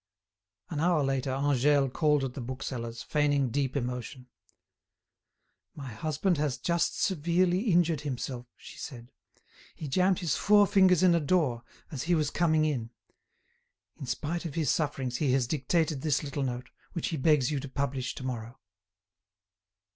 An hour later Angèle called at the bookseller's, feigning deep emotion. "My husband has just severely injured himself," she said. "He jammed his four fingers in a door as he was coming in. In spite of his sufferings, he has dictated this little note, which he begs you to publish to morrow."